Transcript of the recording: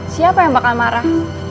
siapa yang bakal marah